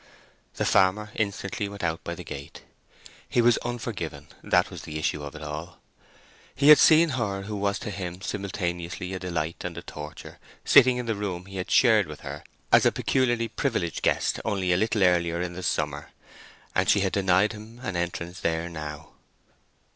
The farmer instantly went out by the gate. He was unforgiven—that was the issue of it all. He had seen her who was to him simultaneously a delight and a torture, sitting in the room he had shared with her as a peculiarly privileged guest only a little earlier in the summer, and she had denied him an entrance there now.